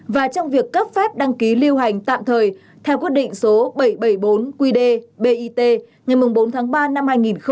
và trong việc cấp phép đăng ký lưu hành tạm thời theo quyết định số bảy trăm bảy mươi bốn qd bit ngày bốn tháng ba năm hai nghìn một mươi